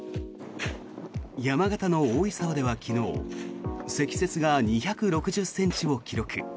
山形の大井沢では昨日積雪が２６０ｃｍを記録。